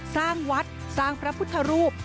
สร้างวัดสร้างพระพุทธรูป